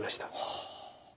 はあ。